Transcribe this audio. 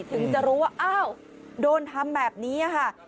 ถึงจะรู้ว่าอ้าวโดนทำแบบนี้ค่ะ